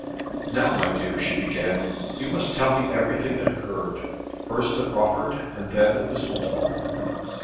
"Now, my dear," she began, "you must tell me everything that occurred first at Rufford, and then at Mistletoe."